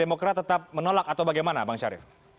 demokrat tetap menolak atau bagaimana bang syarif